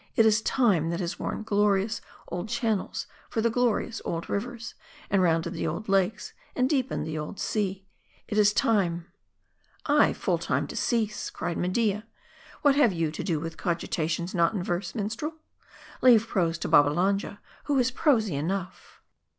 It is Time that has worn glorious old channels for the glorious old rivers, and rounded the old lakes, and deepened the old sea ! It is Tjme "" Ay, full time to cease," cried Media. " What have you to do with cogitations not in verse, minstrel ? Leave prose to Babbalanja, who is prosy enough."